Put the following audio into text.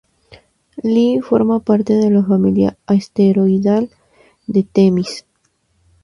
Li forma parte de la familia asteroidal de Temis.